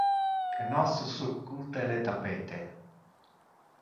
Que nos succute le tapete.